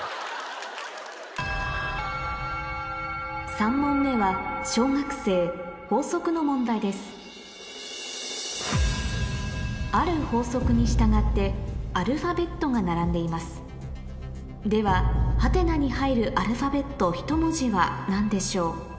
３問目は小学生の問題ですある法則に従ってアルファベットが並んでいますではハテナに入るアルファベットひと文字は何でしょう？